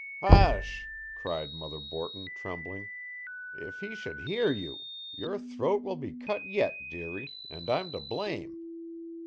"Hush," cried Mother Borton trembling. "If he should hear you! Your throat will be cut yet, dearie, and I'm to blame.